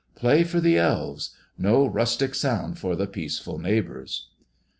Play for the elves; no rustic round for the peaceful neighbours."